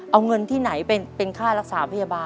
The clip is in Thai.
เอาเงินที่ไหนเป็นค่ารักษาพยาบาล